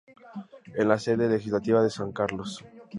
Es la sede legislativa de San Carlos.